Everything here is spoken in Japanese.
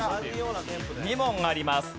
２問あります。